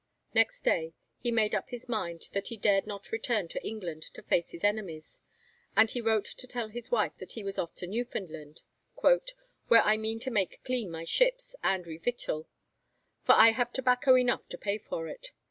Next day, he made up his mind that he dared not return to England to face his enemies, and he wrote to tell his wife that he was off to Newfoundland, 'where I mean to make clean my ships, and revictual; for I have tobacco enough to pay for it.'